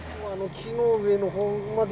木の上のほうで？